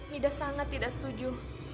mida sangat tidak setuju